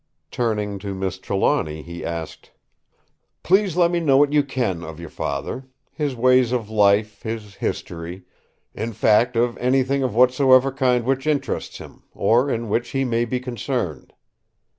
Turning to Miss Trelawny he asked: "Please let me know what you can of your Father; his ways of life, his history—in fact of anything of whatsoever kind which interests him, or in which he may be concerned."